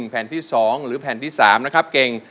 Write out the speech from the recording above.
แผ่นที่๒หรือแผ่นที่๓นะครับเก่ง